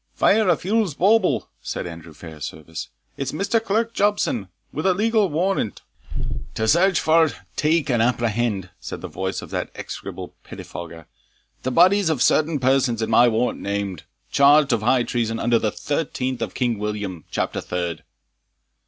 "Fire a fule's bauble!" said Andrew Fairservice; "it's Mr. Clerk Jobson, with a legal warrant" "To search for, take, and apprehend," said the voice of that execrable pettifogger, "the bodies of certain persons in my warrant named, charged of high treason under the 13th of King William, chapter third."